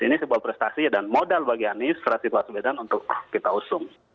ini sebuah prestasi dan modal bagi anies rasid baswedan untuk kita usung